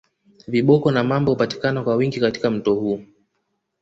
Viboko na mamba hupatikana kwa wingi katika mto huu